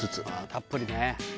たっぷりね。